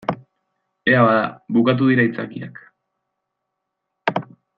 Ea bada, bukatu dira aitzakiak.